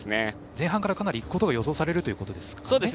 前半からかなりいくことが予想されるということですか。